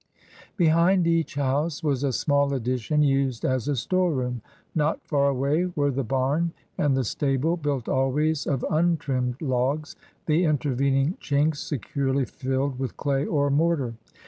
Behind each house was a small addition used as a storeroom. Not far away were the bam and the stable, built always of untrimmed logs, the inter vening chinks securely filled with day or mortar.